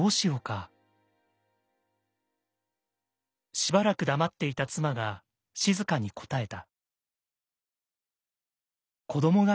しばらく黙っていた妻が静かに答えた。